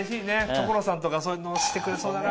所さんとかそういうのしてくれそうだな。